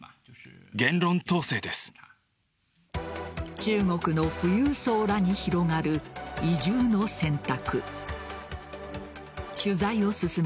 中国の富裕層らに広がる移住の選択。